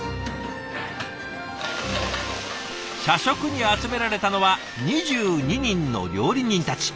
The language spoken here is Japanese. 社食に集められたのは２２人の料理人たち。